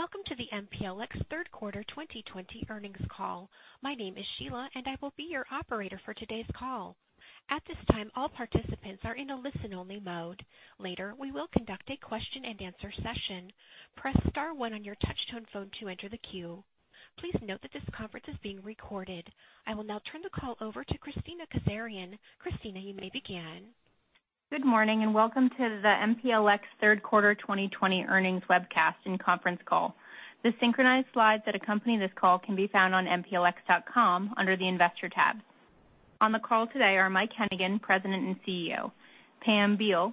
Welcome to the MPLX third quarter 2020 earnings call. My name is Sheila, and I will be your operator for today's call. At this time, all participants are in a listen-only mode. Later, we will conduct a question and answer session. Press star one on your touch-tone phone to enter the queue. Please note that this conference is being recorded. I will now turn the call over to Kristina Kazarian. Kristina, you may begin. Good morning. Welcome to the MPLX third quarter 2020 earnings webcast and conference call. The synchronized slides that accompany this call can be found on mplx.com under the Investor tab. On the call today are Mike Hennigan, President and CEO, Pam Beall,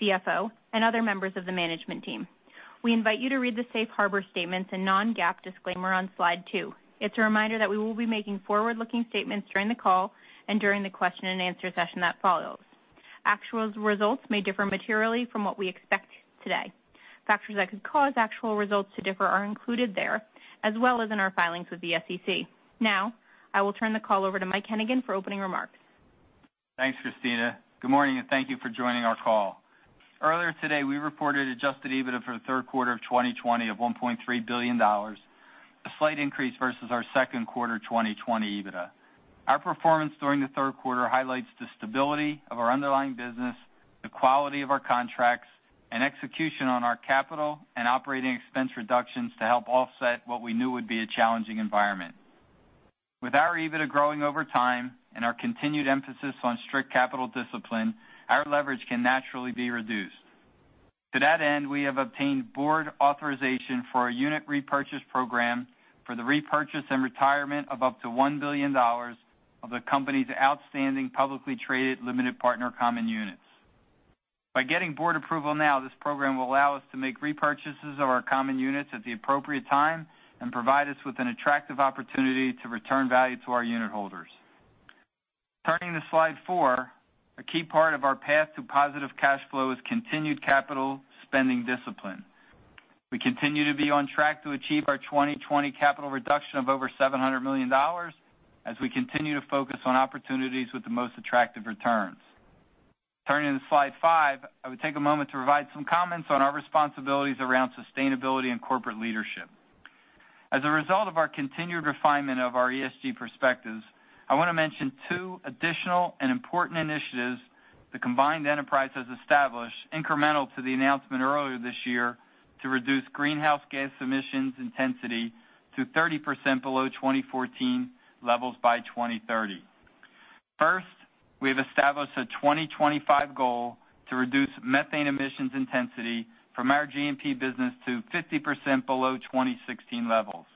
CFO, and other members of the management team. We invite you to read the safe harbor statements and non-GAAP disclaimer on slide two. It's a reminder that we will be making forward-looking statements during the call and during the question and answer session that follows. Actual results may differ materially from what we expect today. Factors that could cause actual results to differ are included there, as well as in our filings with the SEC. Now, I will turn the call over to Mike Hennigan for opening remarks. Thanks, Kristina. Good morning, and thank you for joining our call. Earlier today, we reported adjusted EBITDA for the third quarter of 2020 of $1.3 billion, a slight increase versus our second quarter 2020 EBITDA. Our performance during the third quarter highlights the stability of our underlying business, the quality of our contracts, and execution on our capital and operating expense reductions to help offset what we knew would be a challenging environment. With our EBITDA growing over time and our continued emphasis on strict capital discipline, our leverage can naturally be reduced. To that end, we have obtained board authorization for a unit repurchase program for the repurchase and retirement of up to $1 billion of the company's outstanding publicly traded limited partner common units. By getting board approval now, this program will allow us to make repurchases of our common units at the appropriate time and provide us with an attractive opportunity to return value to our unit holders. Turning to slide four, a key part of our path to positive cash flow is continued capital spending discipline. We continue to be on track to achieve our 2020 capital reduction of over $700 million as we continue to focus on opportunities with the most attractive returns. Turning to slide five, I would take a moment to provide some comments on our responsibilities around sustainability and corporate leadership. As a result of our continued refinement of our ESG perspectives, I want to mention two additional and important initiatives the combined enterprise has established incremental to the announcement earlier this year to reduce greenhouse gas emissions intensity to 30% below 2014 levels by 2030. First, we have established a 2025 goal to reduce methane emissions intensity from our G&P business to 50% below 2016 levels.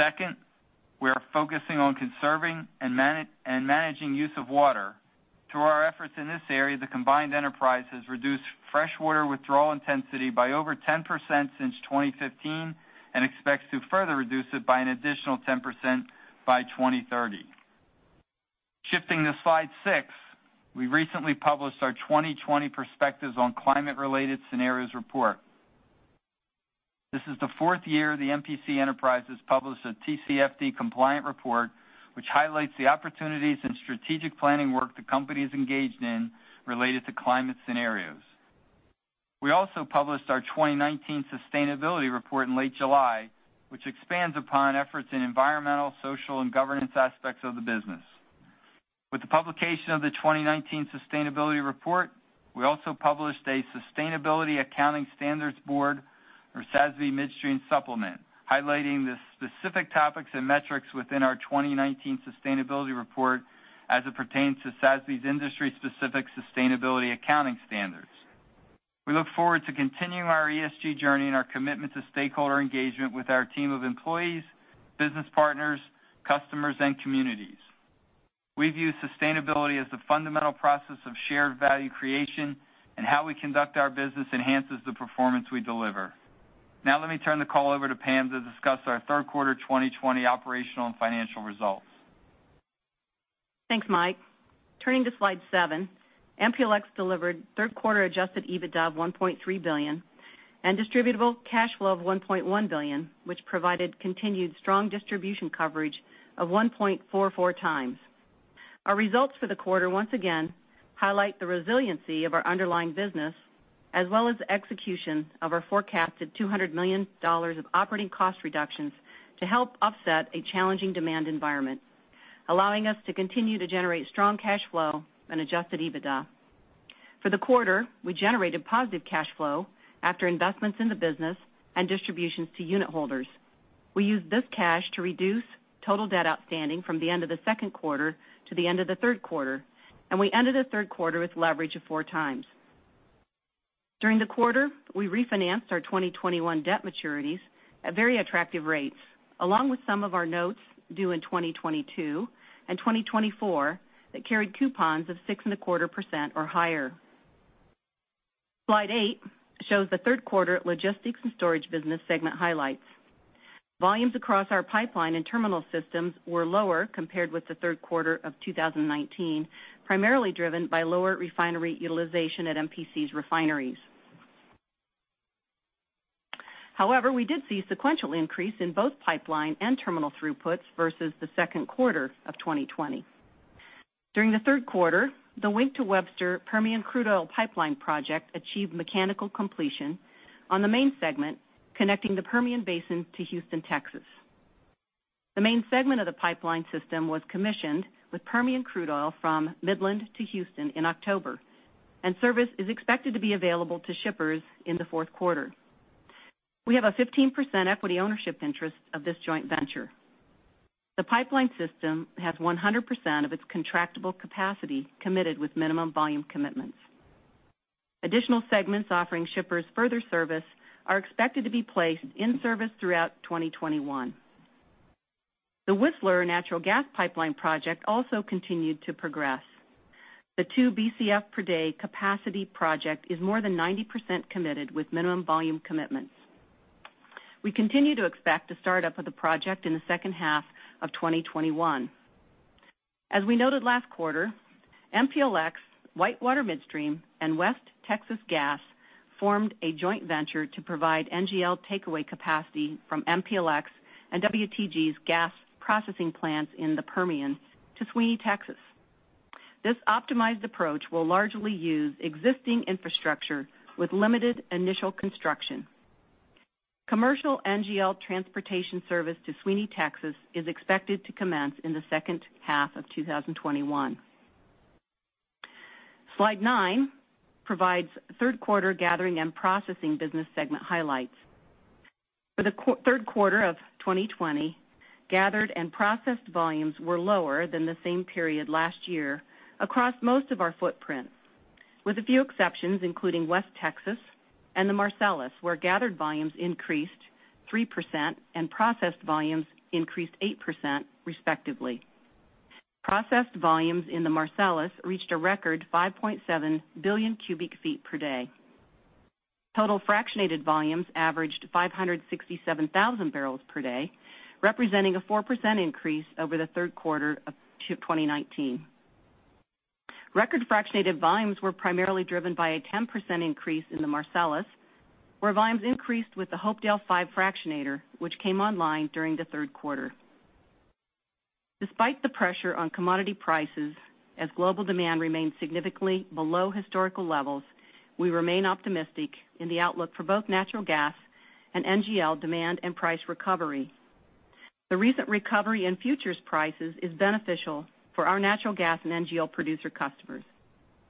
Second, we are focusing on conserving and managing use of water. Through our efforts in this area, the combined enterprise has reduced freshwater withdrawal intensity by over 10% since 2015 and expects to further reduce it by an additional 10% by 2030. Shifting to slide six, we recently published our 2020 perspectives on climate-related scenarios report. This is the fourth year the MPC enterprise has published a TCFD compliant report, which highlights the opportunities and strategic planning work the company is engaged in related to climate scenarios. We also published our 2019 sustainability report in late July, which expands upon efforts in environmental, social, and governance aspects of the business. With the publication of the 2019 sustainability report, we also published a Sustainability Accounting Standards Board, or SASB, midstream supplement highlighting the specific topics and metrics within our 2019 sustainability report as it pertains to SASB's industry-specific sustainability accounting standards. We look forward to continuing our ESG journey and our commitment to stakeholder engagement with our team of employees, business partners, customers, and communities. We view sustainability as the fundamental process of shared value creation, and how we conduct our business enhances the performance we deliver. Now let me turn the call over to Pam to discuss our third quarter 2020 operational and financial results. Thanks, Mike. Turning to slide seven, MPLX delivered third quarter adjusted EBITDA of $1.3 billion and distributable cash flow of $1.1 billion, which provided continued strong distribution coverage of 1.44x. Our results for the quarter once again highlight the resiliency of our underlying business, as well as the execution of our forecasted $200 million of operating cost reductions to help offset a challenging demand environment, allowing us to continue to generate strong cash flow and adjusted EBITDA. For the quarter, we generated positive cash flow after investments in the business and distributions to unit holders. We used this cash to reduce total debt outstanding from the end of the second quarter to the end of the third quarter, and we ended the third quarter with leverage of 4x. During the quarter, we refinanced our 2021 debt maturities at very attractive rates, along with some of our notes due in 2022 and 2024 that carried coupons of 6.25% or higher. Slide eight shows the third quarter Logistics and Storage business segment highlights. Volumes across our pipeline and terminal systems were lower compared with the third quarter of 2019, primarily driven by lower refinery utilization at MPC's refineries. However, we did see sequential increase in both pipeline and terminal throughputs versus the second quarter of 2020. During the third quarter, the Wink to Webster Permian Crude Oil Pipeline Project achieved mechanical completion on the main segment connecting the Permian Basin to Houston, Texas. The main segment of the pipeline system was commissioned with Permian crude oil from Midland to Houston in October, and service is expected to be available to shippers in the fourth quarter. We have a 15% equity ownership interest of this joint venture. The pipeline system has 100% of its contractable capacity committed with minimum volume commitments. Additional segments offering shippers further service are expected to be placed in service throughout 2021. The Whistler Natural Gas Pipeline Project also continued to progress. The 2 Bcf per day capacity project is more than 90% committed with minimum volume commitments. We continue to expect the startup of the project in the second half of 2021. As we noted last quarter, MPLX, WhiteWater Midstream, and West Texas Gas formed a joint venture to provide NGL takeaway capacity from MPLX and WTG's gas processing plants in the Permian to Sweeny, Texas. This optimized approach will largely use existing infrastructure with limited initial construction. Commercial NGL transportation service to Sweeny, Texas, is expected to commence in the second half of 2021. Slide nine provides third quarter Gathering and Processing business segment highlights. For the third quarter of 2020, gathered and processed volumes were lower than the same period last year across most of our footprints, with a few exceptions including West Texas and the Marcellus, where gathered volumes increased 3% and processed volumes increased 8% respectively. Processed volumes in the Marcellus reached a record 5.7 Bcf/d. Total fractionated volumes averaged 567,000 bbl per day, representing a 4% increase over the third quarter of 2019. Record fractionated volumes were primarily driven by a 10% increase in the Marcellus, where volumes increased with the Hopedale 5 fractionator, which came online during the third quarter. Despite the pressure on commodity prices as global demand remains significantly below historical levels, we remain optimistic in the outlook for both natural gas and NGL demand and price recovery. The recent recovery in futures prices is beneficial for our natural gas and NGL producer customers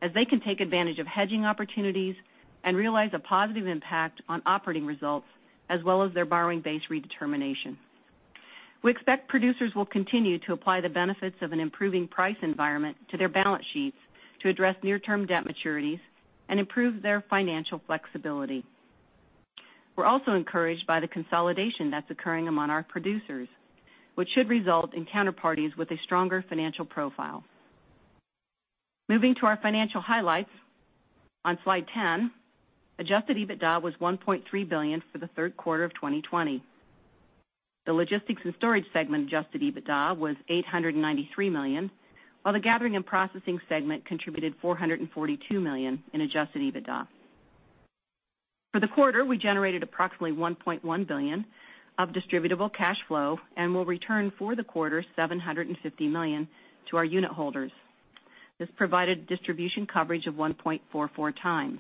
as they can take advantage of hedging opportunities and realize a positive impact on operating results as well as their borrowing base redetermination. We expect producers will continue to apply the benefits of an improving price environment to their balance sheets to address near-term debt maturities and improve their financial flexibility. We're also encouraged by the consolidation that's occurring among our producers, which should result in counterparties with a stronger financial profile. Moving to our financial highlights on slide 10, adjusted EBITDA was $1.3 billion for the third quarter of 2020. The Logistics and Storage segment adjusted EBITDA was $893 million, while the Gathering and Processing segment contributed $442 million in adjusted EBITDA. For the quarter, we generated approximately $1.1 billion of distributable cash flow and will return for the quarter $750 million to our unit holders. This provided distribution coverage of 1.44x.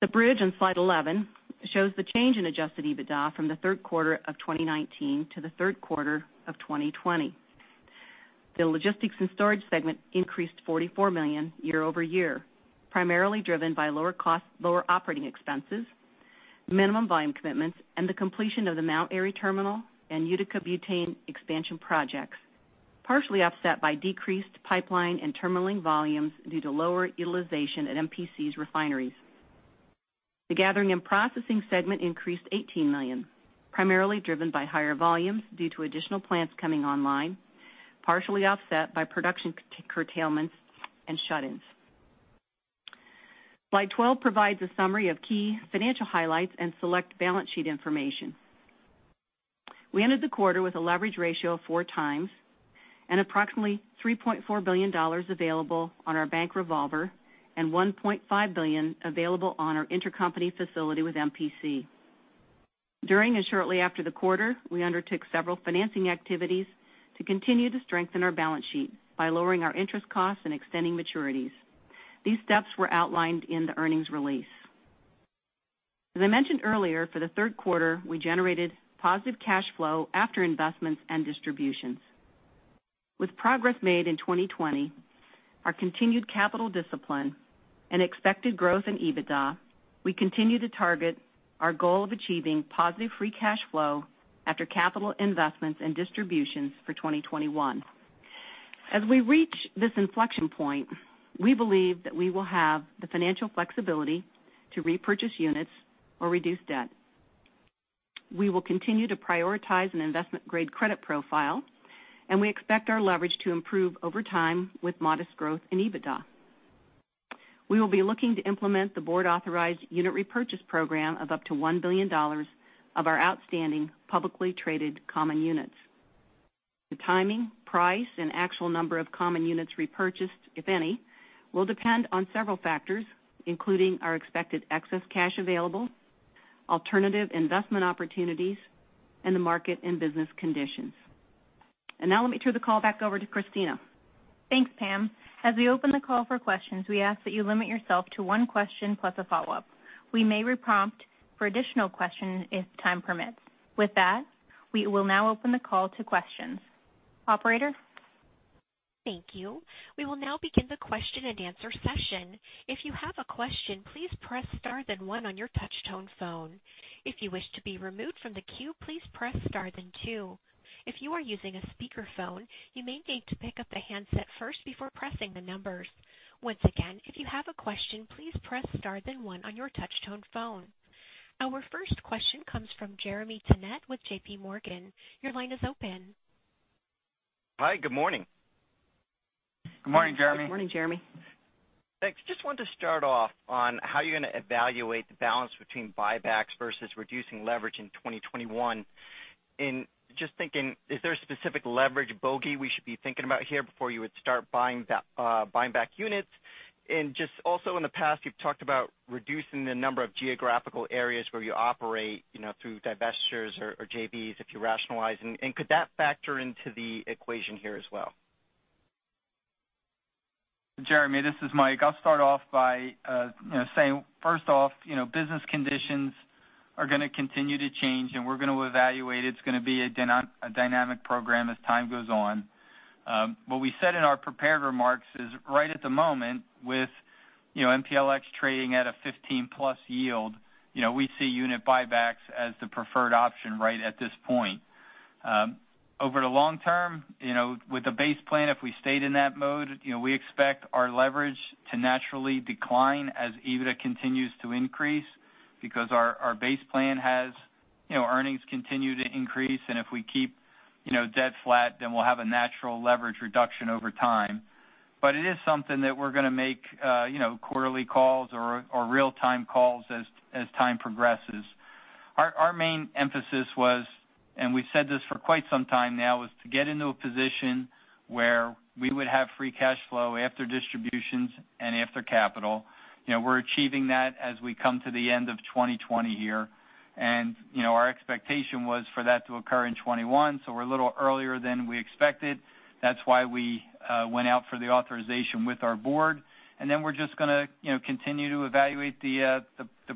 The bridge on slide 11 shows the change in adjusted EBITDA from the third quarter of 2019 to the third quarter of 2020. The Logistics and Storage segment increased $44 million year-over-year, primarily driven by lower operating expenses, minimum volume commitments, and the completion of the Mount Airy Terminal and Utica butane expansion projects, partially offset by decreased pipeline and terminalling volumes due to lower utilization at MPC's refineries. The Gathering and Processing segment increased $18 million, primarily driven by higher volumes due to additional plants coming online, partially offset by production curtailments and shut-ins. Slide 12 provides a summary of key financial highlights and select balance sheet information. We ended the quarter with a leverage ratio of 4x and approximately $3.4 billion available on our bank revolver and $1.5 billion available on our intercompany facility with MPC. During and shortly after the quarter, we undertook several financing activities to continue to strengthen our balance sheet by lowering our interest costs and extending maturities. These steps were outlined in the earnings release. As I mentioned earlier, for the third quarter, we generated positive cash flow after investments and distributions. With progress made in 2020, our continued capital discipline, and expected growth in EBITDA, we continue to target our goal of achieving positive free cash flow after capital investments and distributions for 2021. As we reach this inflection point, we believe that we will have the financial flexibility to repurchase units or reduce debt. We will continue to prioritize an investment-grade credit profile, and we expect our leverage to improve over time with modest growth in EBITDA. We will be looking to implement the board-authorized unit repurchase program of up to $1 billion of our outstanding publicly traded common units. The timing, price, and actual number of common units repurchased, if any, will depend on several factors, including our expected excess cash available. Alternative investment opportunities and the market and business conditions. Now let me turn the call back over to Kristina. Thanks, Pam. As we open the call for questions, we ask that you limit yourself to one question, plus a follow-up. We may reprompt for additional question if time permits. With that, we will now open the call to questions. Operator? Thank you. We will now begin the question and answer session. If you have a question, please press star then one on your touch-tone phone. If you wish to be removed from the queue, please press star then two. If you are using a speakerphone, you may need to pick up the handset first before pressing the numbers. Once again, if you have a question, please press star then one on your touch-tone phone. Our first question comes from Jeremy Tonet with JPMorgan. Your line is open. Hi, good morning. Good morning, Jeremy. Good morning, Jeremy. Thanks. Just wanted to start off on how you're going to evaluate the balance between buybacks versus reducing leverage in 2021. Just thinking, is there a specific leverage bogey we should be thinking about here before you would start buying back units? Just also in the past, you've talked about reducing the number of geographical areas where you operate through divestitures or JVs, if you rationalize. Could that factor into the equation here as well? Jeremy, this is Mike. I'll start off by saying, first off, business conditions are going to continue to change, and we're going to evaluate. It's going to be a dynamic program as time goes on. What we said in our prepared remarks is right at the moment with MPLX trading at a 15+ yield, we see unit buybacks as the preferred option right at this point. Over the long term, with a base plan, if we stayed in that mode, we expect our leverage to naturally decline as EBITDA continues to increase because our base plan has earnings continue to increase, and if we keep debt flat, then we'll have a natural leverage reduction over time. It is something that we're going to make quarterly calls or real-time calls as time progresses. Our main emphasis was, and we've said this for quite some time now, was to get into a position where we would have free cash flow after distributions and after capital. We're achieving that as we come to the end of 2020 here. Our expectation was for that to occur in 2021, so we're a little earlier than we expected. That's why we went out for the authorization with our board. We're just going to continue to evaluate the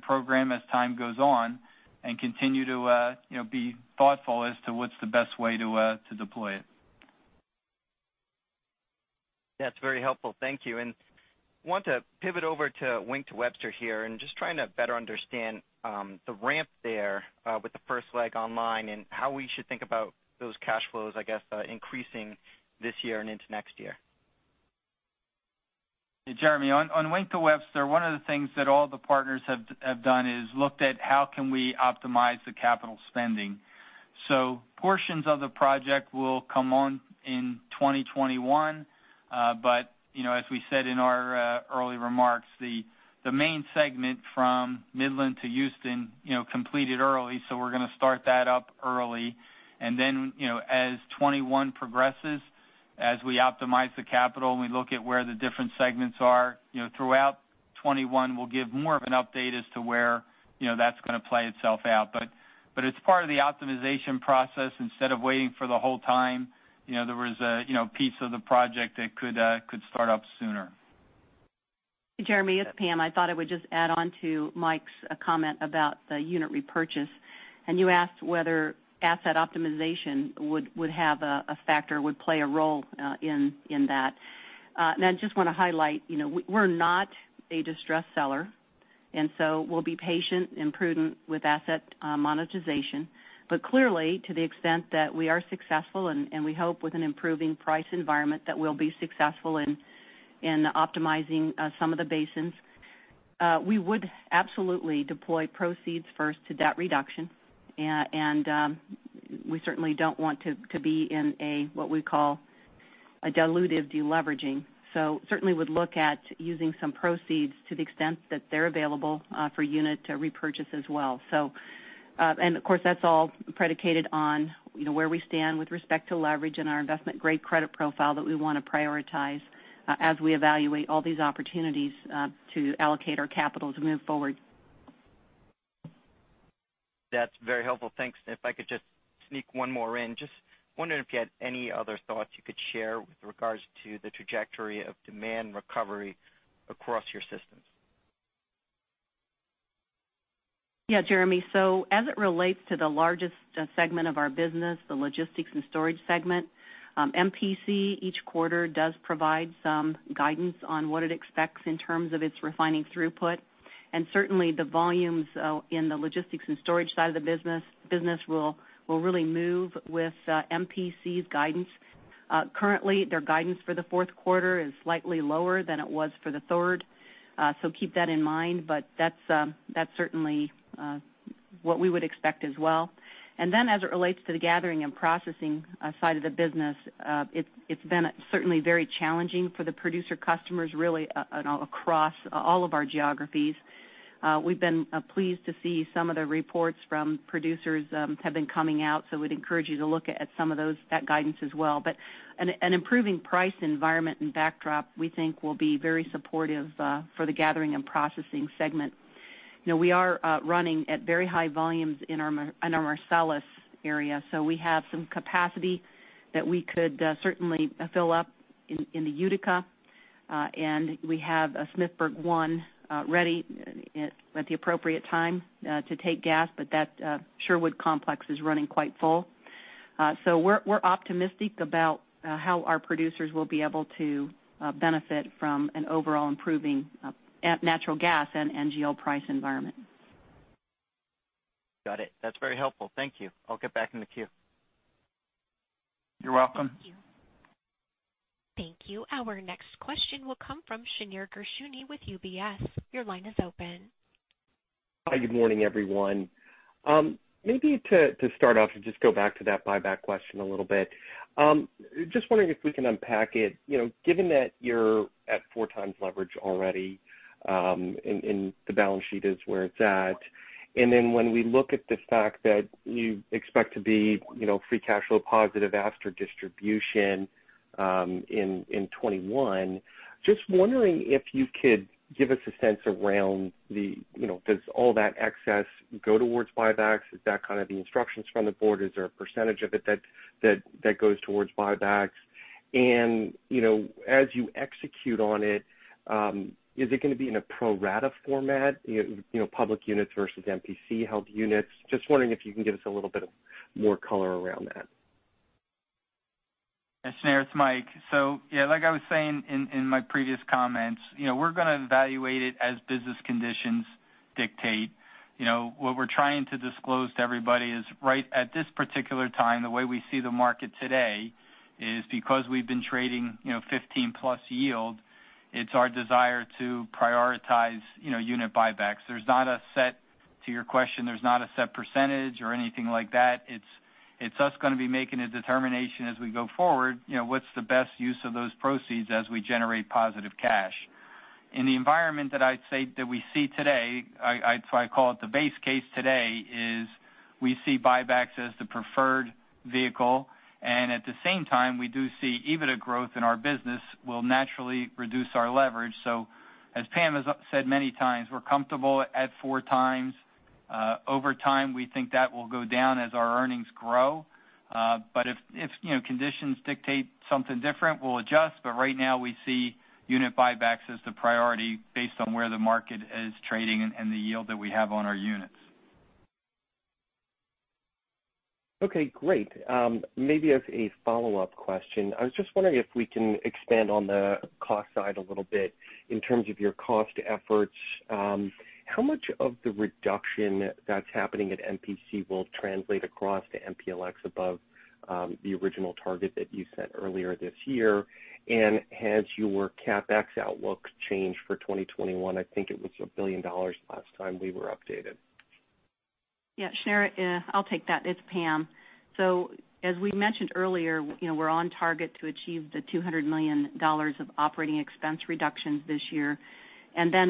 program as time goes on and continue to be thoughtful as to what's the best way to deploy it. That's very helpful. Thank you. Want to pivot over to Wink to Webster here, and just trying to better understand the ramp there with the first leg online and how we should think about those cash flows, I guess, increasing this year and into next year. Jeremy, on Wink to Webster, one of the things that all the partners have done is looked at how can we optimize the capital spending. Portions of the project will come on in 2021. As we said in our early remarks, the main segment from Midland to Houston completed early, so we're going to start that up early. As 2021 progresses, as we optimize the capital and we look at where the different segments are throughout 2021, we'll give more of an update as to where that's going to play itself out. It's part of the optimization process. Instead of waiting for the whole time, there was a piece of the project that could start up sooner. Jeremy, it's Pam. I thought I would just add on to Mike's comment about the unit repurchase. You asked whether asset optimization would play a role in that. I just want to highlight, we're not a distressed seller, and so we'll be patient and prudent with asset monetization. Clearly, to the extent that we are successful, and we hope with an improving price environment that we'll be successful in optimizing some of the basins. We would absolutely deploy proceeds first to debt reduction. We certainly don't want to be in a what we call a dilutive de-leveraging. Certainly would look at using some proceeds to the extent that they're available for unit repurchase as well. Of course, that's all predicated on where we stand with respect to leverage and our investment-grade credit profile that we want to prioritize as we evaluate all these opportunities to allocate our capital to move forward. That's very helpful. Thanks. If I could just sneak one more in. Just wondering if you had any other thoughts you could share with regards to the trajectory of demand recovery across your systems? Yeah, Jeremy. As it relates to the largest segment of our business, the Logistics and Storage segment, MPC each quarter does provide some guidance on what it expects in terms of its refining throughput. Certainly, the volumes in the Logistics and Storage side of the business will really move with MPC's guidance. Currently, their guidance for the fourth quarter is slightly lower than it was for the third. Keep that in mind, but that's certainly what we would expect as well. As it relates to the Gathering and Processing side of the business, it's been certainly very challenging for the producer customers, really across all of our geographies. We've been pleased to see some of the reports from producers have been coming out, we'd encourage you to look at some of that guidance as well. An improving price environment and backdrop, we think will be very supportive for the Gathering and Processing segment. We are running at very high volumes in our Marcellus area. We have some capacity that we could certainly fill up in the Utica, and we have a Smithburg 1 ready at the appropriate time to take gas, but that Sherwood Complex is running quite full. We're optimistic about how our producers will be able to benefit from an overall improving natural gas and NGL price environment. Got it. That's very helpful. Thank you. I'll get back in the queue. You're welcome. Thank you. Thank you. Our next question will come from Shneur Gershuni with UBS. Your line is open. Hi, good morning, everyone. Maybe to start off and just go back to that buyback question a little bit. Just wondering if we can unpack it. Given that you're at 4x leverage already, and the balance sheet is where it's at, and then when we look at the fact that you expect to be free cash flow positive after distribution in 2021, just wondering if you could give us a sense around does all that excess go towards buybacks? Is that kind of the instructions from the board? Is there a percentage of it that goes towards buybacks? And as you execute on it, is it going to be in a pro rata format, public units versus MPC-held units? Just wondering if you can give us a little bit of more color around that. Shneur, it's Mike. Yeah, like I was saying in my previous comments, we're going to evaluate it as business conditions dictate. What we're trying to disclose to everybody is right at this particular time, the way we see the market today is because we've been trading 15+ yield. It's our desire to prioritize unit buybacks. To your question, there's not a set percentage or anything like that. It's us going to be making a determination as we go forward, what's the best use of those proceeds as we generate positive cash. In the environment that we see today, I call it the base case today, is we see buybacks as the preferred vehicle, and at the same time, we do see EBITDA growth in our business will naturally reduce our leverage. As Pam has said many times, we're comfortable at 4x. Over time, we think that will go down as our earnings grow. If conditions dictate something different, we'll adjust. Right now, we see unit buybacks as the priority based on where the market is trading and the yield that we have on our units. Okay, great. Maybe as a follow-up question, I was just wondering if we can expand on the cost side a little bit in terms of your cost efforts. How much of the reduction that's happening at MPC will translate across to MPLX above the original target that you set earlier this year? Has your CapEx outlook changed for 2021? I think it was $1 billion last time we were updated. Shneur, I'll take that. It's Pam. As we mentioned earlier, we're on target to achieve the $200 million of operating expense reductions this year.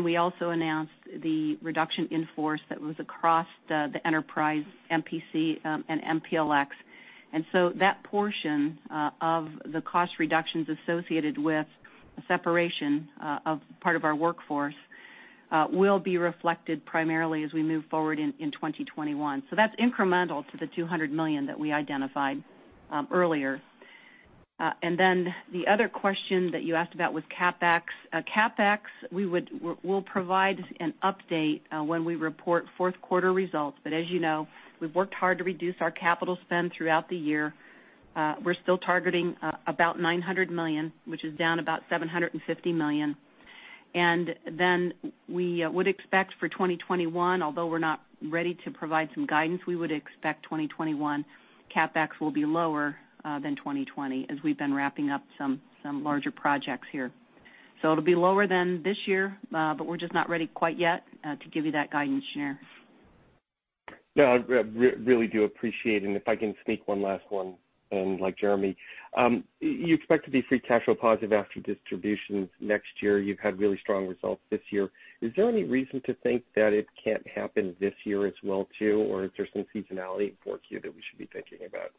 We also announced the reduction in force that was across the enterprise, MPC, and MPLX. That portion of the cost reductions associated with the separation of part of our workforce will be reflected primarily as we move forward in 2021. That's incremental to the $200 million that we identified earlier. The other question that you asked about was CapEx. CapEx, we'll provide an update when we report fourth quarter results. As you know, we've worked hard to reduce our capital spend throughout the year. We're still targeting about $900 million, which is down about $750 million. We would expect for 2021, although we're not ready to provide some guidance, we would expect 2021 CapEx will be lower than 2020 as we've been wrapping up some larger projects here. It'll be lower than this year. We're just not ready quite yet to give you that guidance, Shneur. No, I really do appreciate. If I can sneak one last one in, like Jeremy, you expect to be free cash flow positive after distributions next year. You've had really strong results this year. Is there any reason to think that it can't happen this year as well too, or is there some seasonality in 4Q that we should be thinking about?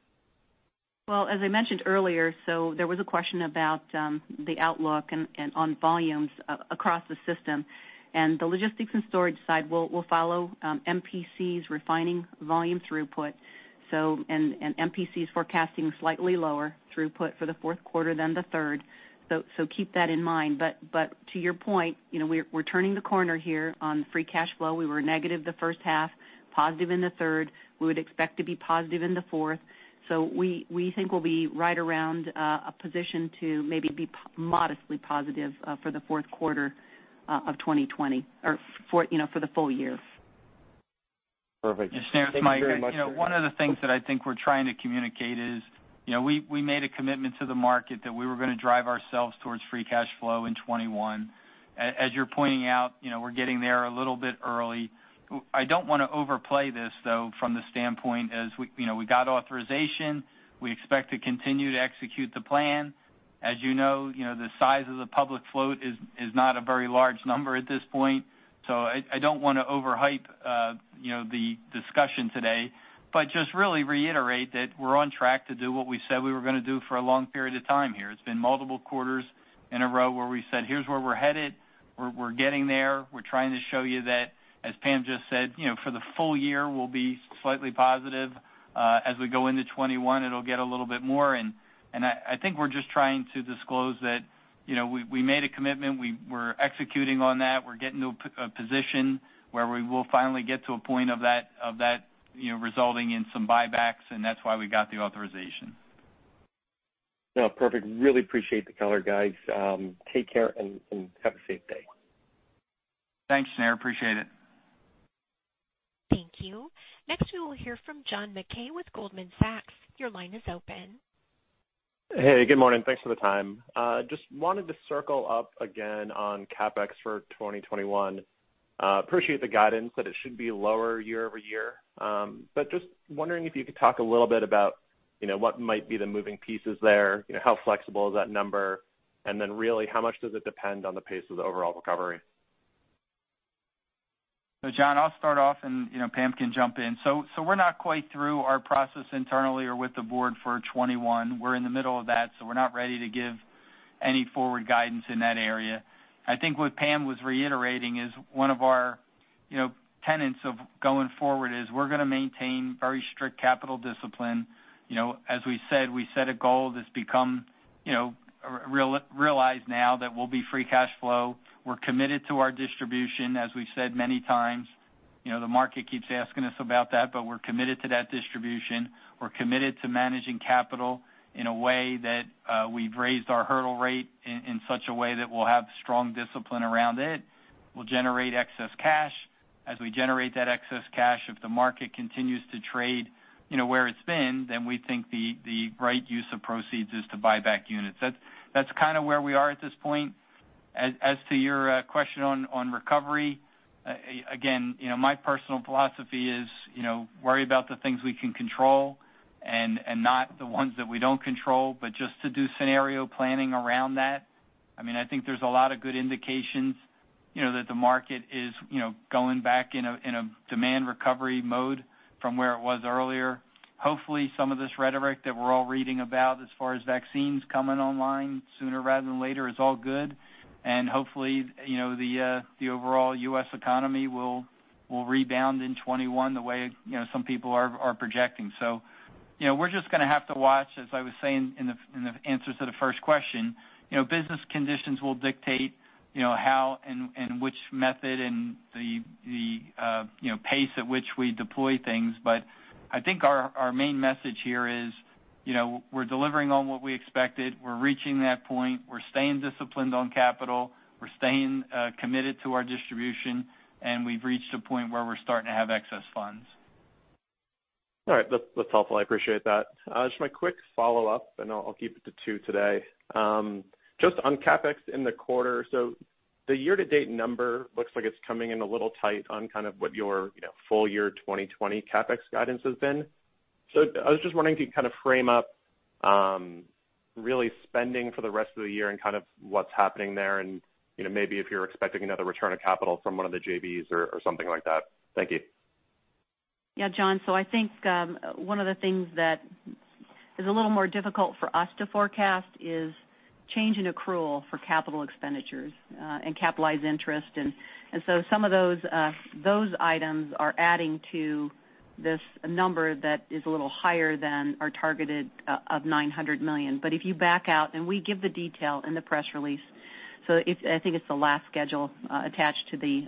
Well, as I mentioned earlier, there was a question about the outlook and on volumes across the system. The Logistics and Storage side will follow MPC's refining volume throughput. MPC is forecasting slightly lower throughput for the fourth quarter than the third. Keep that in mind. To your point, we're turning the corner here on free cash flow. We were negative the first half, positive in the third. We would expect to be positive in the fourth. We think we'll be right around a position to maybe be modestly positive for the fourth quarter of 2020 or for the full year. Perfect. Thank you very much. Shneur, it's Mike. One of the things that I think we're trying to communicate is we made a commitment to the market that we were going to drive ourselves towards free cash flow in 2021. As you're pointing out, we're getting there a little bit early. I don't want to overplay this, though, from the standpoint as we got authorization. We expect to continue to execute the plan. As you know, the size of the public float is not a very large number at this point. I don't want to over-hype the discussion today, but just really reiterate that we're on track to do what we said we were going to do for a long period of time here. It's been multiple quarters in a row where we said, "Here's where we're headed." We're getting there. We're trying to show you that, as Pam just said, for the full year, we'll be slightly positive. As we go into 2021, it'll get a little bit more. I think we're just trying to disclose that we made a commitment. We're executing on that. We're getting to a position where we will finally get to a point of that resulting in some buybacks, and that's why we got the authorization. No, perfect. Really appreciate the color, guys. Take care and have a safe day. Thanks, Shneur. Appreciate it. Thank you. Next, we will hear from John Mackay with Goldman Sachs. Your line is open. Hey, good morning. Thanks for the time. Just wanted to circle up again on CapEx for 2021. Appreciate the guidance that it should be lower year-over-year. Just wondering if you could talk a little bit about what might be the moving pieces there, how flexible is that number, and then really how much does it depend on the pace of the overall recovery? John, I'll start off, and Pam can jump in. We're not quite through our process internally or with the board for 2021. We're in the middle of that, so we're not ready to give any forward guidance in that area. I think what Pam was reiterating is one of our tenets of going forward is we're going to maintain very strict capital discipline. As we said, we set a goal that's become realized now that we'll be free cash flow. We're committed to our distribution, as we've said many times. The market keeps asking us about that, but we're committed to that distribution. We're committed to managing capital in a way that we've raised our hurdle rate in such a way that we'll have strong discipline around it. We'll generate excess cash. As we generate that excess cash, if the market continues to trade where it's been, we think the right use of proceeds is to buy back units. That's kind of where we are at this point. As to your question on recovery, again, my personal philosophy is worry about the things we can control and not the ones that we don't control, but just to do scenario planning around that. I think there's a lot of good indications that the market is going back in a demand recovery mode from where it was earlier. Hopefully, some of this rhetoric that we're all reading about as far as vaccines coming online sooner rather than later is all good. Hopefully, the overall U.S. economy will rebound in 2021 the way some people are projecting. We're just going to have to watch, as I was saying in the answers to the first question. Business conditions will dictate how and which method and the pace at which we deploy things. I think our main message here is we're delivering on what we expected. We're reaching that point. We're staying disciplined on capital. We're staying committed to our distribution, and we've reached a point where we're starting to have excess funds. All right. That's helpful. I appreciate that. Just my quick follow-up, and I'll keep it to two today. Just on CapEx in the quarter. The year-to-date number looks like it's coming in a little tight on kind of what your full year 2020 CapEx guidance has been. I was just wondering if you could kind of frame up really spending for the rest of the year and kind of what's happening there and maybe if you're expecting another return of capital from one of the JVs or something like that. Thank you. Yeah, John. I think one of the things that is a little more difficult for us to forecast is change in accrual for capital expenditures and capitalized interest. Some of those items are adding to this number that is a little higher than our targeted of $900 million. If you back out, and we give the detail in the press release, I think it's the last schedule attached to the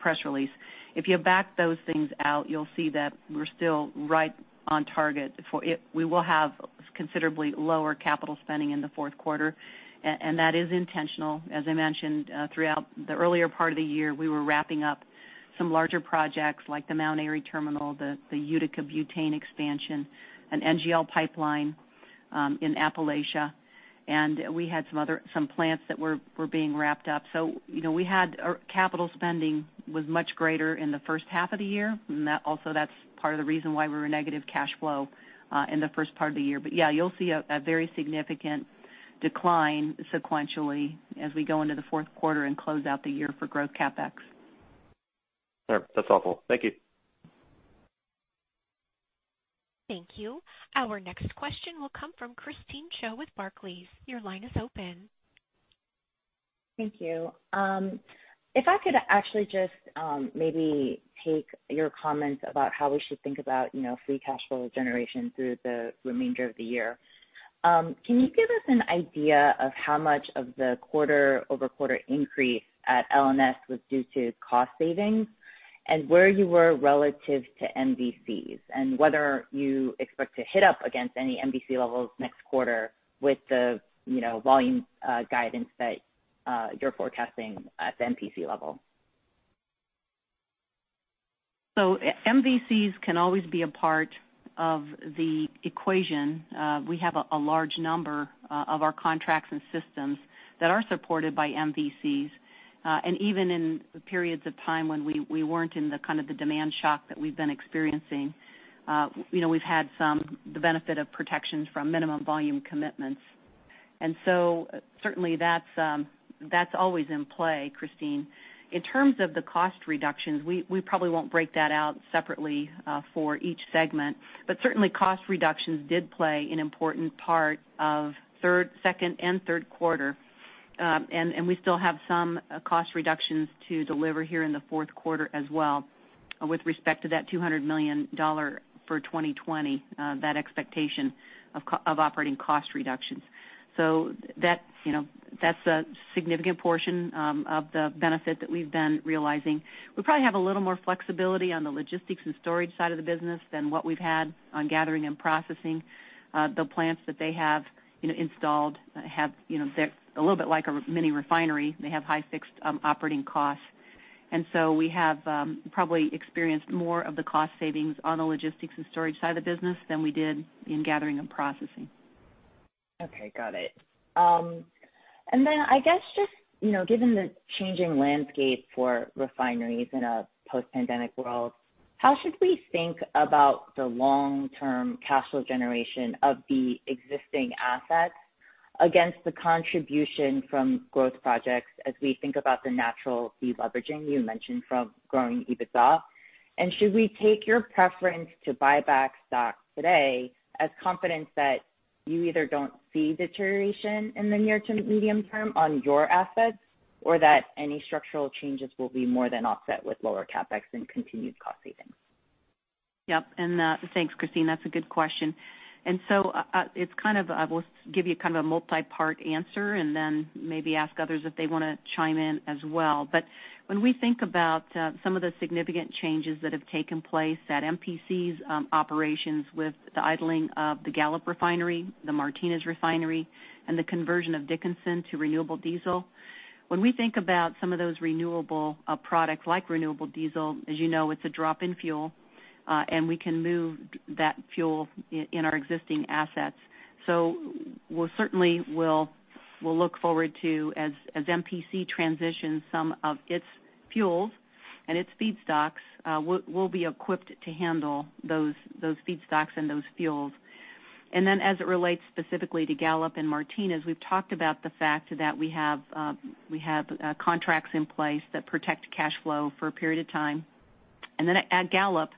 press release. If you back those things out, you'll see that we're still right on target. We will have considerably lower capital spending in the fourth quarter, and that is intentional. As I mentioned, throughout the earlier part of the year, we were wrapping up some larger projects like the Mount Airy terminal, the Utica butane expansion, an NGL pipeline in Appalachia, and we had some plants that were being wrapped up. Our capital spending was much greater in the first half of the year, and also that's part of the reason why we were negative cash flow in the first part of the year. Yeah, you'll see a very significant decline sequentially as we go into the fourth quarter and close out the year for growth CapEx. All right. That's helpful. Thank you. Thank you. Our next question will come from Christine Cho with Barclays. Your line is open. Thank you. If I could actually just maybe take your comments about how we should think about free cash flow generation through the remainder of the year. Can you give us an idea of how much of the quarter-over-quarter increase at L&S was due to cost savings and where you were relative to MVCs and whether you expect to hit up against any MVC levels next quarter with the volume guidance that you're forecasting at the MPC level? MVCs can always be a part of the equation. We have a large number of our contracts and systems that are supported by MVCs. Even in periods of time when we weren't in the kind of the demand shock that we've been experiencing, we've had some the benefit of protections from minimum volume commitments. Certainly that's always in play, Christine. In terms of the cost reductions, we probably won't break that out separately for each segment. Certainly cost reductions did play an important part of second and third quarter. We still have some cost reductions to deliver here in the fourth quarter as well with respect to that $200 million for 2020, that expectation of operating cost reductions. That's a significant portion of the benefit that we've been realizing. We probably have a little more flexibility on the Logistics and Storage side of the business than what we've had on Gathering and Processing. The plants that they have installed, they're a little bit like a mini refinery. They have high fixed operating costs. We have probably experienced more of the cost savings on the Logistics and Storage side of the business than we did in Gathering and Processing. Okay, got it. I guess just given the changing landscape for refineries in a post-pandemic world, how should we think about the long-term cash flow generation of the existing assets against the contribution from growth projects as we think about the natural deleveraging you mentioned from growing EBITDA? Should we take your preference to buy back stock today as confidence that you either don't see deterioration in the near to medium term on your assets or that any structural changes will be more than offset with lower CapEx and continued cost savings? Yep. Thanks, Christine. That's a good question. I will give you a multi-part answer and then maybe ask others if they want to chime in as well. When we think about some of the significant changes that have taken place at MPC's operations with the idling of the Gallup refinery, the Martinez refinery, and the conversion of Dickinson to renewable diesel, when we think about some of those renewable products like renewable diesel, as you know it's a drop-in fuel, and we can move that fuel in our existing assets. We certainly will look forward to, as MPC transitions some of its fuels and its feedstocks, we'll be equipped to handle those feedstocks and those fuels. As it relates specifically to Gallup and Martinez, we've talked about the fact that we have contracts in place that protect cash flow for a period of time. At Gallup,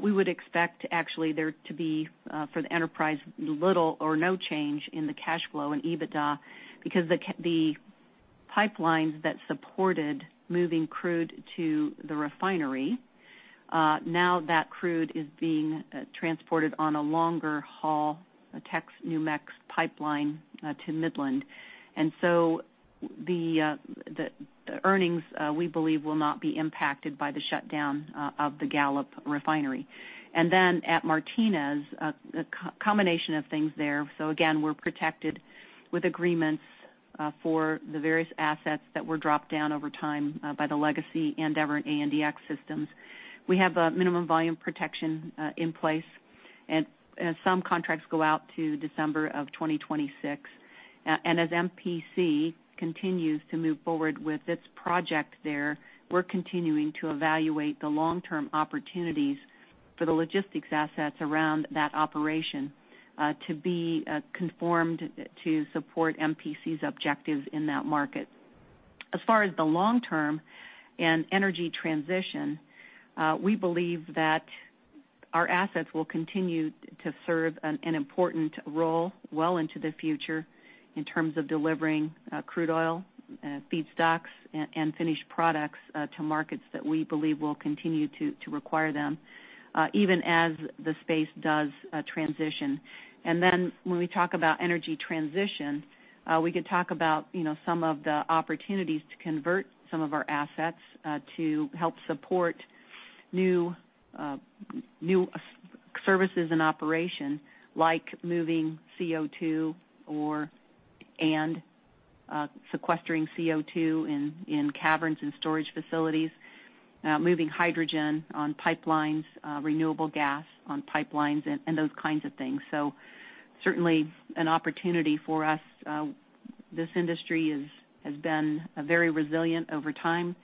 we would expect actually there to be for the enterprise, little or no change in the cash flow and EBITDA because the pipelines that supported moving crude to the refinery, now that crude is being transported on a longer haul, a TexNewMex Pipeline to Midland. The earnings, we believe will not be impacted by the shutdown of the Gallup refinery. At Martinez, a combination of things there. Again, we're protected with agreements for the various assets that were dropped down over time by the legacy Andeavor and ANDX systems. We have a minimum volume protection in place and some contracts go out to December of 2026. As MPC continues to move forward with its project there, we're continuing to evaluate the long-term opportunities for the logistics assets around that operation to be conformed to support MPC's objectives in that market. As far as the long term and energy transition, we believe that our assets will continue to serve an important role well into the future in terms of delivering crude oil, feedstocks, and finished products to markets that we believe will continue to require them even as the space does transition. When we talk about energy transition, we could talk about some of the opportunities to convert some of our assets to help support new services and operation, like moving CO2 and sequestering CO2 in caverns and storage facilities, moving hydrogen on pipelines, renewable gas on pipelines, and those kinds of things. Certainly an opportunity for us. This industry has been very resilient over time.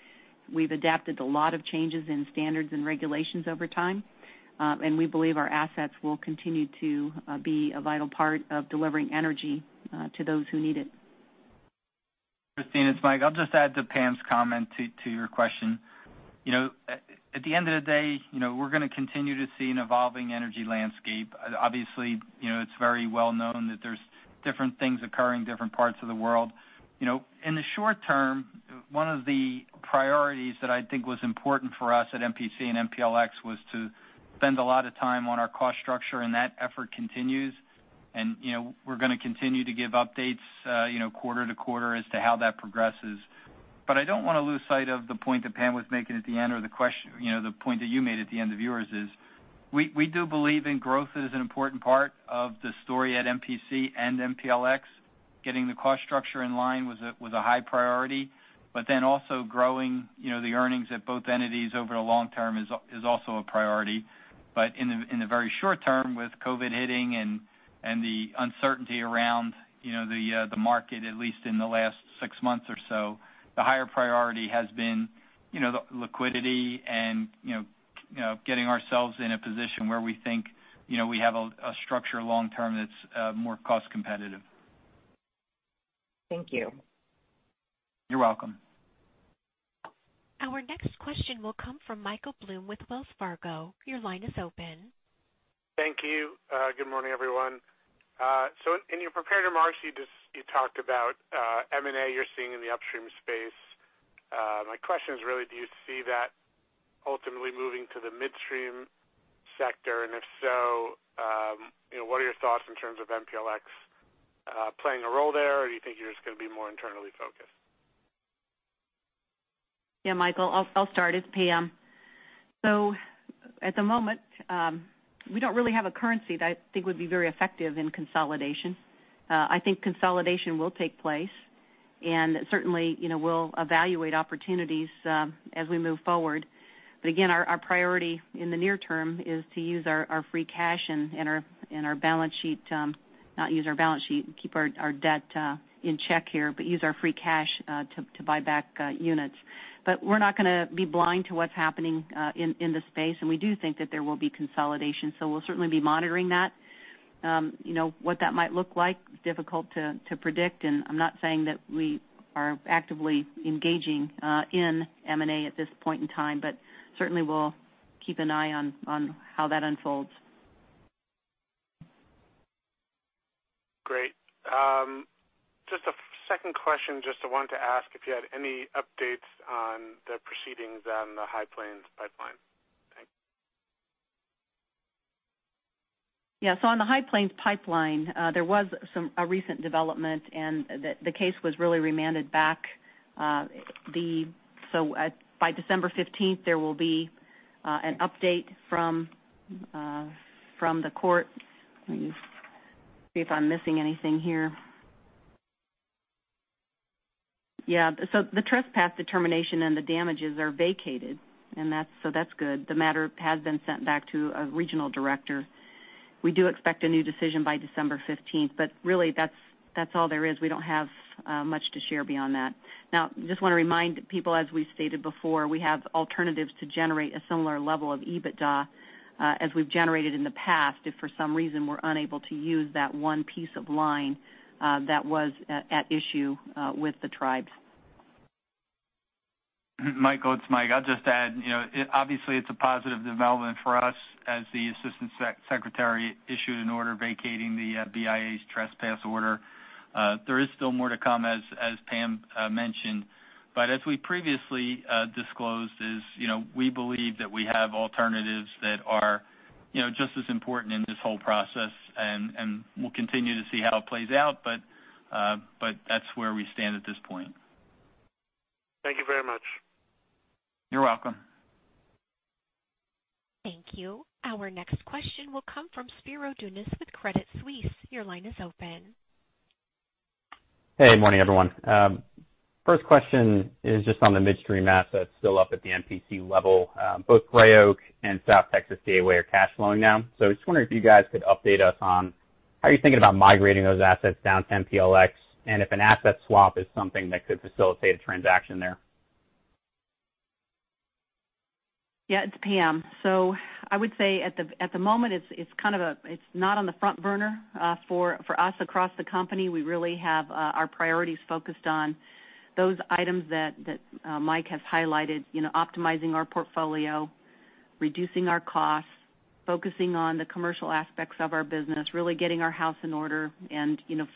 We've adapted a lot of changes in standards and regulations over time. We believe our assets will continue to be a vital part of delivering energy to those who need it. Christine, it's Mike. I'll just add to Pam's comment to your question. At the end of the day, we're going to continue to see an evolving energy landscape. Obviously, it's very well known that there's different things occurring in different parts of the world. In the short term, one of the priorities that I think was important for us at MPC and MPLX was to spend a lot of time on our cost structure, that effort continues. We're going to continue to give updates quarter to quarter as to how that progresses. I don't want to lose sight of the point that Pam was making at the end or the point that you made at the end of yours is we do believe in growth as an important part of the story at MPC and MPLX. Getting the cost structure in line was a high priority, also growing the earnings at both entities over the long term is also a priority. In the very short term, with COVID hitting and the uncertainty around the market, at least in the last six months or so, the higher priority has been liquidity and getting ourselves in a position where we think we have a structure long-term that's more cost competitive. Thank you. You're welcome. Our next question will come from Michael Blum with Wells Fargo. Your line is open. Thank you. Good morning, everyone. In your prepared remarks, you talked about M&A you're seeing in the upstream space. My question is really, do you see that ultimately moving to the midstream sector? If so, what are your thoughts in terms of MPLX playing a role there, or do you think you're just going to be more internally focused? Michael, I'll start. It's Pam. At the moment, we don't really have a currency that I think would be very effective in consolidation. I think consolidation will take place, and certainly we'll evaluate opportunities as we move forward. Again, our priority in the near term is to use our free cash and our balance sheet, not use our balance sheet, keep our debt in check here, but use our free cash to buy back units. We're not going to be blind to what's happening in the space, and we do think that there will be consolidation, we'll certainly be monitoring that. What that might look like is difficult to predict, and I'm not saying that we are actively engaging in M&A at this point in time. Certainly we'll keep an eye on how that unfolds. Great. Just a second question, just I wanted to ask if you had any updates on the proceedings on the High Plains Pipeline. Thanks. On the High Plains Pipeline, there was a recent development. The case was really remanded back. By December 15th, there will be an update from the court. Let me see if I'm missing anything here. The trespass determination and the damages are vacated. That's good. The matter has been sent back to a regional director. We do expect a new decision by December 15th. Really, that's all there is. We don't have much to share beyond that. Just want to remind people, as we've stated before, we have alternatives to generate a similar level of EBITDA as we've generated in the past, if for some reason we're unable to use that one piece of line that was at issue with the tribes. Michael, it's Mike. I'll just add, obviously it's a positive development for us as the Assistant Secretary issued an order vacating the BIA's trespass order. There is still more to come, as Pam mentioned. As we previously disclosed is, we believe that we have alternatives that are just as important in this whole process, and we'll continue to see how it plays out. That's where we stand at this point. Thank you very much. You're welcome. Thank you. Our next question will come from Spiro Dounis with Credit Suisse. Your line is open. Hey, good morning, everyone. First question is just on the midstream assets still up at the MPC level. Both Gray Oak and South Texas Gateway are cash flowing now. I was just wondering if you guys could update us on how you're thinking about migrating those assets down to MPLX, and if an asset swap is something that could facilitate a transaction there. It's Pam. I would say at the moment, it's not on the front burner for us across the company. We really have our priorities focused on those items that Mike has highlighted, optimizing our portfolio, reducing our costs, focusing on the commercial aspects of our business, really getting our house in order.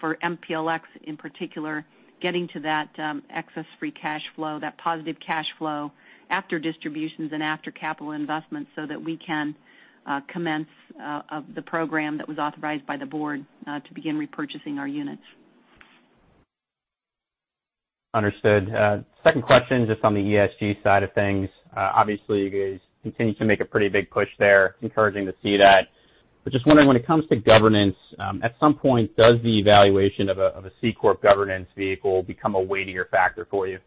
For MPLX, in particular, getting to that excess free cash flow, that positive cash flow after distributions and after capital investments so that we can commence the program that was authorized by the board to begin repurchasing our units. Understood. Second question, just on the ESG side of things. You guys continue to make a pretty big push there. It's encouraging to see that. Just wondering when it comes to governance, at some point, does the evaluation of a C-corp governance vehicle become a weightier factor for you?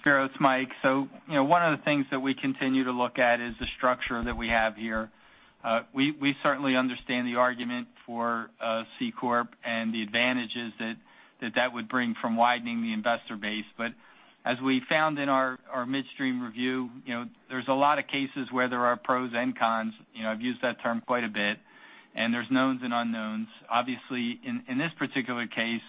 Spiro, it's Mike. One of the things that we continue to look at is the structure that we have here. We certainly understand the argument for a C-corp and the advantages that that would bring from widening the investor base. As we found in our midstream review, there's a lot of cases where there are pros and cons. I've used that term quite a bit, and there's knowns and unknowns. Obviously, in this particular case,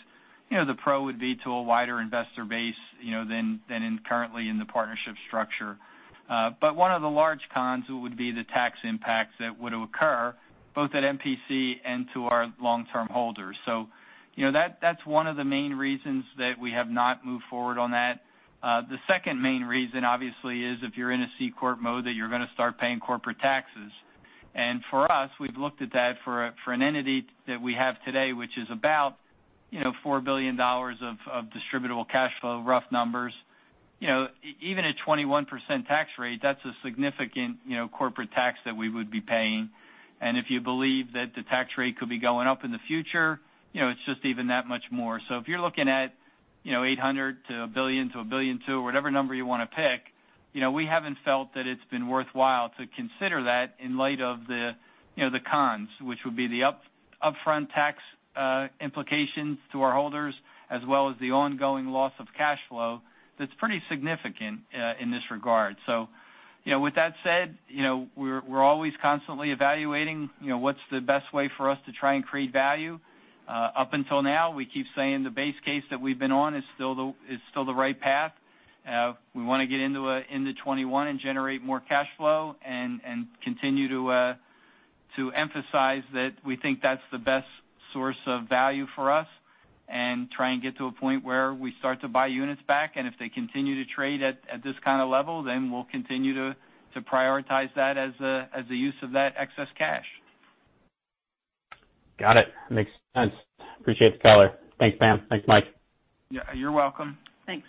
the pro would be to a wider investor base than in currently in the partnership structure. One of the large cons would be the tax impacts that would occur both at MPC and to our long-term holders. That's one of the main reasons that we have not moved forward on that. The second main reason obviously is if you're in a C-corp mode, that you're going to start paying corporate taxes. For us, we've looked at that for an entity that we have today, which is about $4 billion of distributable cash flow, rough numbers. Even at 21% tax rate, that's a significant corporate tax that we would be paying. If you believe that the tax rate could be going up in the future, it's just even that much more. If you're looking at $800 to $1 billion to $1.2 billion, or whatever number you want to pick, we haven't felt that it's been worthwhile to consider that in light of the cons, which would be the upfront tax implications to our holders as well as the ongoing loss of cash flow that's pretty significant in this regard. With that said, we're always constantly evaluating what's the best way for us to try and create value. Up until now, we keep saying the base case that we've been on is still the right path. We want to get into 2021 and generate more cash flow and continue to emphasize that we think that's the best source of value for us and try and get to a point where we start to buy units back. If they continue to trade at this kind of level, then we'll continue to prioritize that as the use of that excess cash. Got it. Makes sense. Appreciate the color. Thanks, Pam. Thanks, Mike. Yeah, you're welcome. Thanks.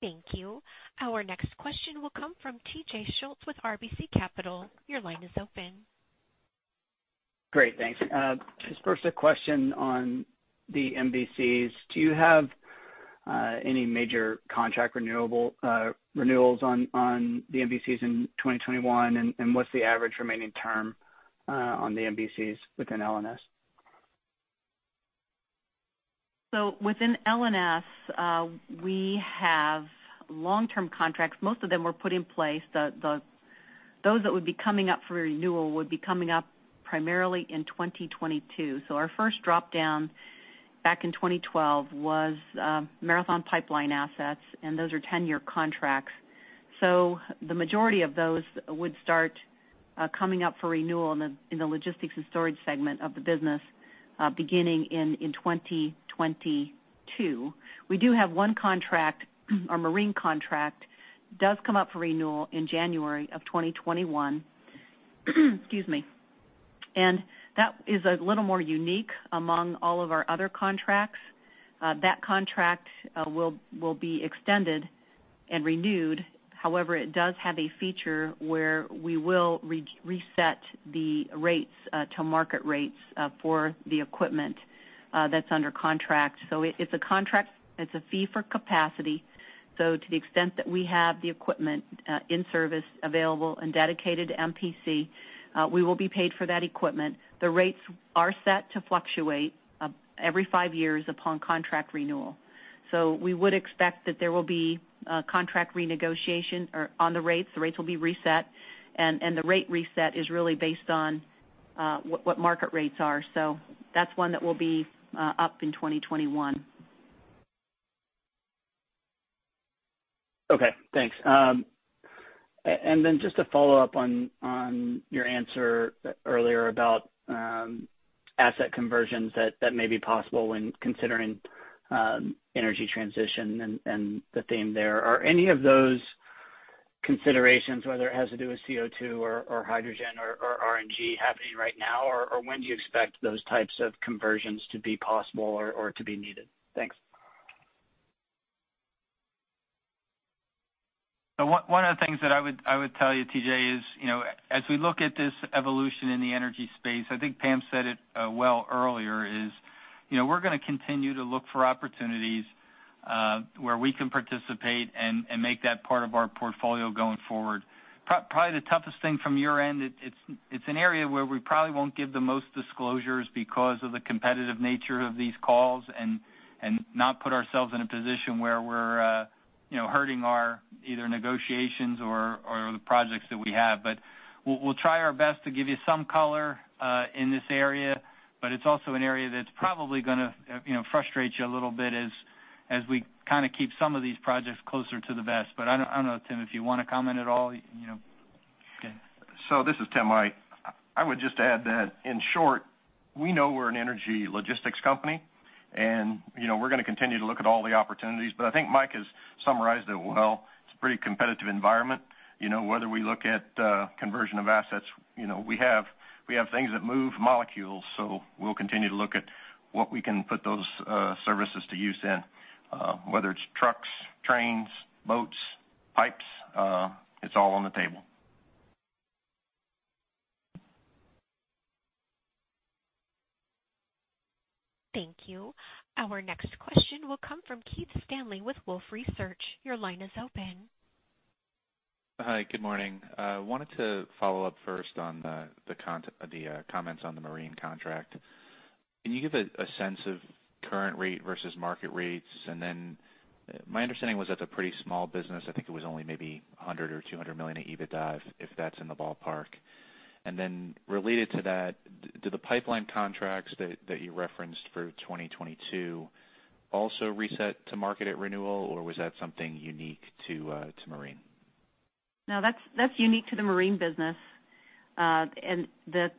Thank you. Our next question will come from T.J. Schultz with RBC Capital. Your line is open. Great, thanks. Just first a question on the MVCs. Do you have any major contract renewals on the MVCs in 2021, and what's the average remaining term on the MVCs within L&S? Within L&S, we have long-term contracts. Most of them were put in place. Those that would be coming up for renewal would be coming up primarily in 2022. Our first drop-down back in 2012 was Marathon Pipe Line assets, and those are 10-year contracts. The majority of those would start coming up for renewal in the Logistics and Storage segment of the business, beginning in 2022. We do have one contract, our Marine contract, does come up for renewal in January of 2021. Excuse me. That is a little more unique among all of our other contracts. That contract will be extended and renewed. However, it does have a feature where we will reset the rates to market rates for the equipment that's under contract. It's a contract, it's a fee for capacity. To the extent that we have the equipment in service available and dedicated to MPC, we will be paid for that equipment. The rates are set to fluctuate every five years upon contract renewal. We would expect that there will be contract renegotiation on the rates. The rates will be reset, and the rate reset is really based on what market rates are. That's one that will be up in 2021. Okay, thanks. Just to follow up on your answer earlier about asset conversions that may be possible when considering energy transition and the theme there. Are any of those considerations, whether it has to do with CO2 or hydrogen or RNG happening right now, or when do you expect those types of conversions to be possible or to be needed? Thanks. One of the things that I would tell you, T.J., is as we look at this evolution in the energy space, I think Pam said it well earlier, is we're going to continue to look for opportunities where we can participate and make that part of our portfolio going forward. Probably the toughest thing from your end, it's an area where we probably won't give the most disclosures because of the competitive nature of these calls and not put ourselves in a position where we're hurting our either negotiations or the projects that we have. We'll try our best to give you some color in this area, but it's also an area that's probably going to frustrate you a little bit as we kind of keep some of these projects closer to the vest. I don't know, Tim, if you want to comment at all? This is Tim. I would just add that, in short, we know we're an energy logistics company, and we're going to continue to look at all the opportunities. I think Mike has summarized it well. It's a pretty competitive environment. Whether we look at conversion of assets, we have things that move molecules, so we'll continue to look at what we can put those services to use in whether it's trucks, trains, boats, pipes it's all on the table. Thank you. Our next question will come from Keith Stanley with Wolfe Research. Your line is open. Hi, good morning. I wanted to follow up first on the comments on the Marine contract. Can you give a sense of current rate versus market rates? My understanding was that's a pretty small business. I think it was only maybe $100 million or $200 million in EBITDA, if that's in the ballpark. Related to that, do the pipeline contracts that you referenced for 2022 also reset to market at renewal, or was that something unique to Marine? No, that's unique to the Marine business. You're in the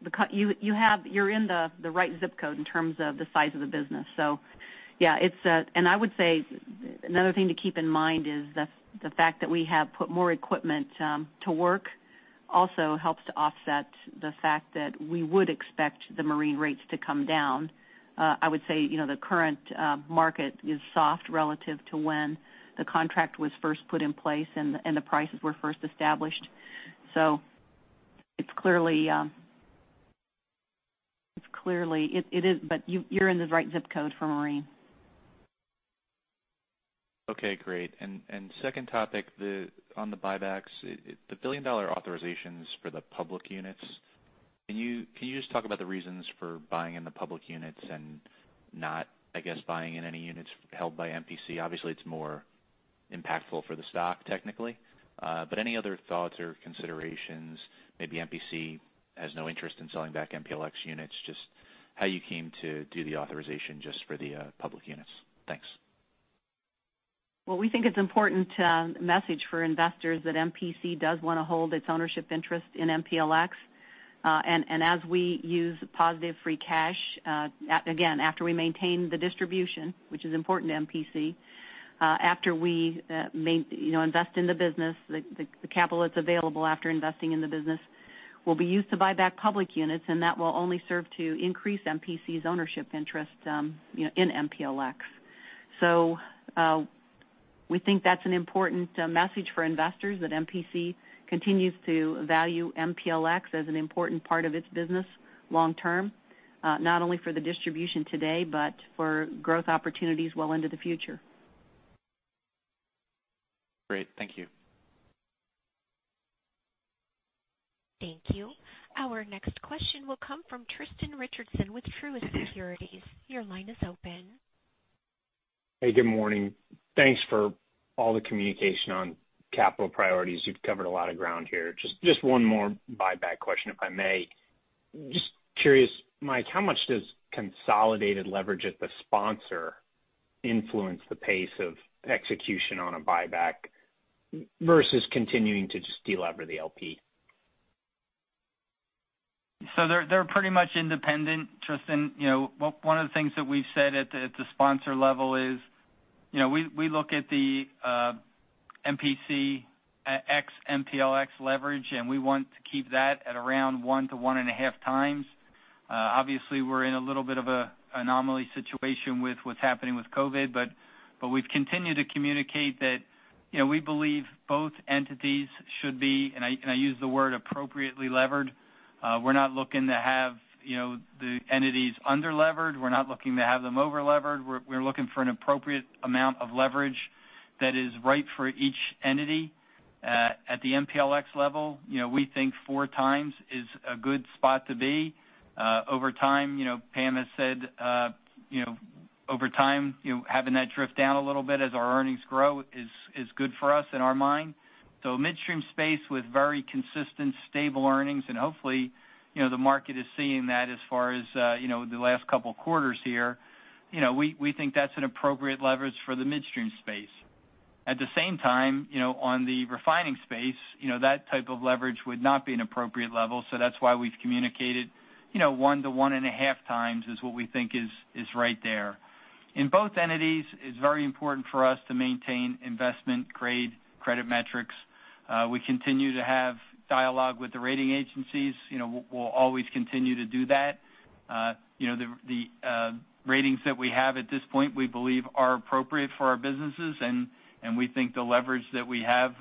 right ZIP code in terms of the size of the business. Yeah. I would say another thing to keep in mind is the fact that we have put more equipment to work also helps to offset the fact that we would expect the Marine rates to come down. I would say, the current market is soft relative to when the contract was first put in place and the prices were first established. You're in the right ZIP code for Marine. Okay, great. Second topic on the buybacks. The billion-dollar authorizations for the public units. Can you just talk about the reasons for buying in the public units and not, I guess, buying in any units held by MPC? Obviously, it's more impactful for the stock, technically. Any other thoughts or considerations? Maybe MPC has no interest in selling back MPLX units. Just how you came to do the authorization just for the public units. Thanks. We think it's important message for investors that MPC does want to hold its ownership interest in MPLX. As we use positive free cash, again, after we maintain the distribution, which is important to MPC, after we invest in the business, the capital that's available after investing in the business will be used to buy back public units, and that will only serve to increase MPC's ownership interest in MPLX. We think that's an important message for investors, that MPC continues to value MPLX as an important part of its business long term, not only for the distribution today, but for growth opportunities well into the future. Great. Thank you. Thank you. Our next question will come from Tristan Richardson with Truist Securities. Your line is open. Hey, good morning. Thanks for all the communication on capital priorities. You've covered a lot of ground here. Just one more buyback question, if I may. Just curious, Mike, how much does consolidated leverage at the sponsor influence the pace of execution on a buyback versus continuing to just delever the LP? They're pretty much independent, Tristan. One of the things that we've said at the sponsor level is we look at the [MPC ex-MPLX] leverage, and we want to keep that at around 1x-1.5x. Obviously, we're in a little bit of an anomaly situation with what's happening with COVID, we've continued to communicate that we believe both entities should be, and I use the word appropriately levered. We're not looking to have the entities under-levered. We're not looking to have them over-levered. We're looking for an appropriate amount of leverage that is right for each entity. At the MPLX level, we think 4x is a good spot to be. Pam has said over time, having that drift down a little bit as our earnings grow is good for us in our mind. Midstream space with very consistent, stable earnings, and hopefully, the market is seeing that as far as the last couple of quarters here. We think that's an appropriate leverage for the midstream space. At the same time, on the refining space, that type of leverage would not be an appropriate level. That's why we've communicated 1x-1.5x Is what we think is right there. In both entities, it's very important for us to maintain investment-grade credit metrics. We continue to have dialogue with the rating agencies. We'll always continue to do that. The ratings that we have at this point, we believe are appropriate for our businesses, and we think the leverage that we have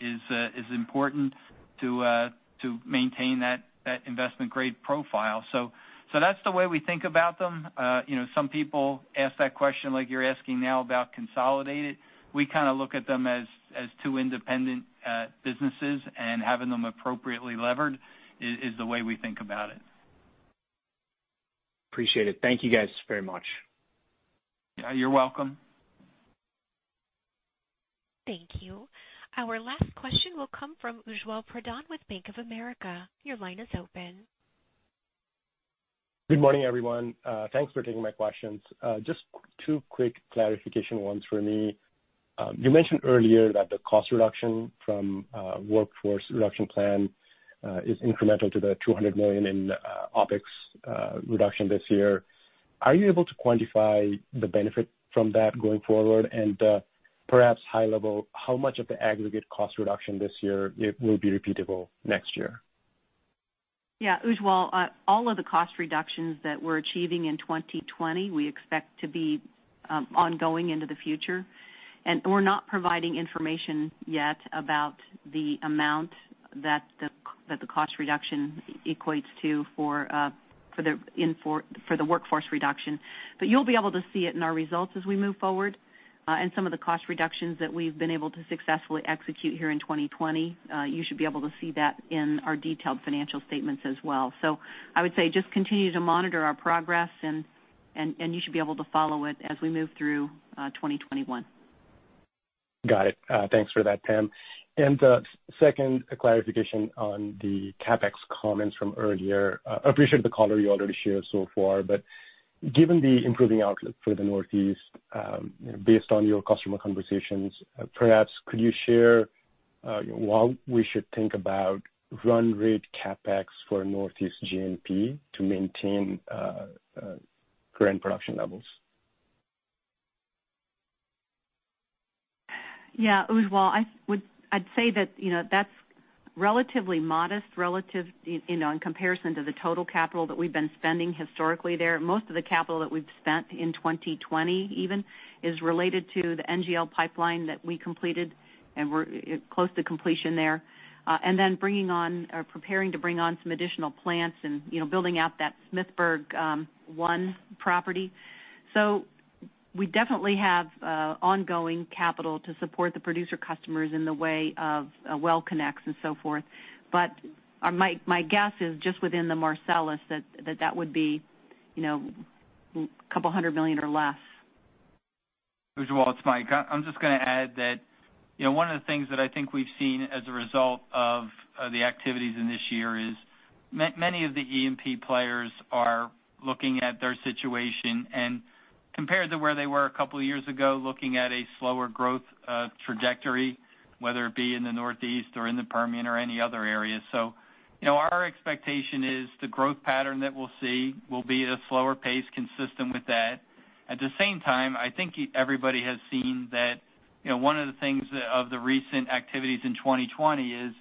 is important to maintain that investment-grade profile. That's the way we think about them. Some people ask that question like you're asking now about consolidated. We look at them as two independent businesses and having them appropriately levered is the way we think about it. Appreciate it. Thank you guys very much. Yeah, you're welcome. Thank you. Our last question will come from Ujjwal Pradhan with Bank of America. Your line is open. Good morning, everyone. Thanks for taking my questions. Just two quick clarification ones for me. You mentioned earlier that the cost reduction from workforce reduction plan is incremental to the $200 million in OpEx reduction this year. Are you able to quantify the benefit from that going forward? Perhaps high level, how much of the aggregate cost reduction this year will be repeatable next year? Ujjwal, all of the cost reductions that we're achieving in 2020, we expect to be ongoing into the future. We're not providing information yet about the amount that the cost reduction equates to for the workforce reduction. You'll be able to see it in our results as we move forward. Some of the cost reductions that we've been able to successfully execute here in 2020, you should be able to see that in our detailed financial statements as well. I would say just continue to monitor our progress, and you should be able to follow it as we move through 2021. Got it. Thanks for that, Pam. Second clarification on the CapEx comments from earlier. I appreciate the color you already shared so far. Given the improving outlook for the Northeast based on your customer conversations, perhaps could you share what we should think about run rate CapEx for Northeast G&P to maintain current production levels? Yeah, Ujjwal, I'd say that's relatively modest in comparison to the total capital that we've been spending historically there. Most of the capital that we've spent in 2020 even is related to the NGL pipeline that we completed. We're close to completion there. Preparing to bring on some additional plants and building out that Smithburg 1 property. We definitely have ongoing capital to support the producer customers in the way of well connects and so forth. My guess is just within the Marcellus that that would be a couple hundred million or less. Ujjwal, it's Mike. I'm just going to add that one of the things that I think we've seen as a result of the activities in this year is many of the E&P players are looking at their situation, and compared to where they were a couple of years ago, looking at a slower growth trajectory, whether it be in the Northeast or in the Permian or any other area. Our expectation is the growth pattern that we'll see will be at a slower pace consistent with that. At the same time, I think everybody has seen that one of the things of the recent activities in 2020 is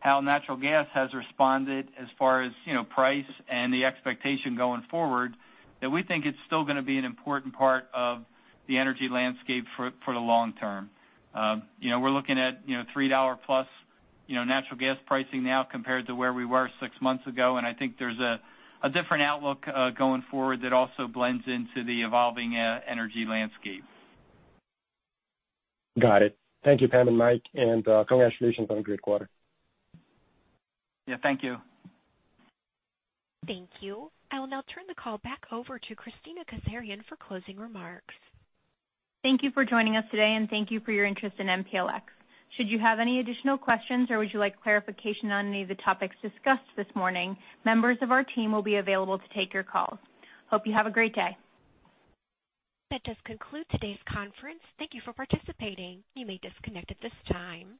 how natural gas has responded as far as price and the expectation going forward, that we think it's still going to be an important part of the energy landscape for the long term. We're looking at $3+ natural gas pricing now compared to where we were six months ago. I think there's a different outlook going forward that also blends into the evolving energy landscape. Got it. Thank you, Pam and Mike, and congratulations on a great quarter. Yeah, thank you. Thank you. I will now turn the call back over to Kristina Kazarian for closing remarks. Thank you for joining us today, and thank you for your interest in MPLX. Should you have any additional questions or would you like clarification on any of the topics discussed this morning, members of our team will be available to take your calls. Hope you have a great day. That does conclude today's conference. Thank you for participating. You may disconnect at this time.